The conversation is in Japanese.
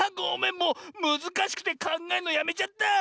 もうむずかしくてかんがえんのやめちゃった！